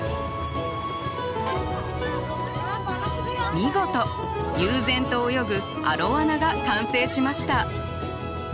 見事悠然と泳ぐアロワナが完成しました！